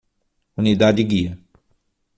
Unidade guia